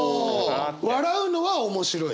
笑うのは「面白い」。